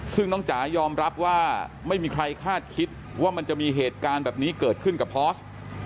ซึ่งน้องจ๋ายอมรับว่าไม่มีใครคาดคิดว่ามันจะมีเหตุการณ์แบบนี้เกิดขึ้นกับพอส